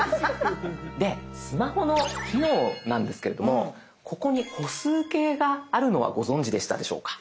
でスマホの機能なんですけれどもここに歩数計があるのはご存じでしたでしょうか？